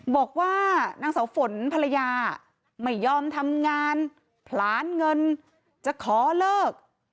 บอกว่านางเสาฝนภรรยาไม่ยอมทำงานผลานเงินจะขอเลิก